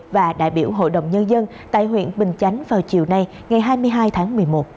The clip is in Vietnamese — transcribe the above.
và đại biểu hội đồng nhân dân tại huyện bình chánh vào chiều nay ngày hai mươi hai tháng một mươi một